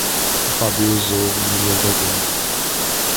O Fábio usou milhas da Gol.